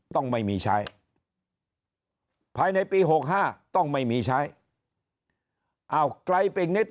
ต้องไม่มีใช้ภายในปี๖๕ต้องไม่มีใช้อ้าวไกลไปอีกนิด